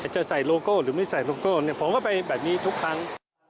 จะใส่โลโก้หรือไม่ใส่โลโก้ผมก็ไปแบบนี้ทุกครั้ง